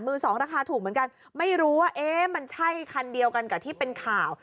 สองราคาถูกเหมือนกันไม่รู้ว่าเอ๊ะมันใช่คันเดียวกันกับที่เป็นข่าว